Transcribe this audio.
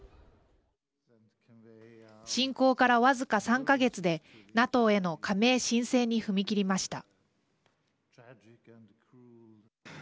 侵攻から僅か３か月でＮＡＴＯへの加盟申請に踏み切りました。